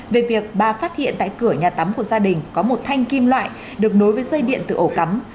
về việc bà phát hiện tại cửa nhà tắm của gia đình có một thanh kim loại được nối với dây điện từ ổ cắm